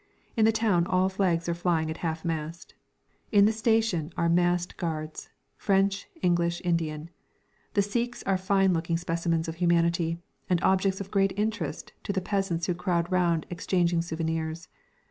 In the town all flags are flying half mast; in the station are massed guards, French, English, Indian. The Sikhs are fine looking specimens of humanity, and objects of great interest to the peasants who crowd round exchanging souvenirs.